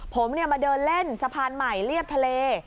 ผมมาเดินเล่นสะพานใหม่เรียบทะเล